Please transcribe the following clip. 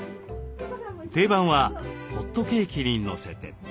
定番はホットケーキにのせて。